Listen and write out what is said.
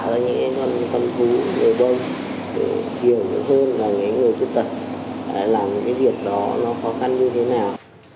để làm những cái việc đó nó khó khăn như thế nào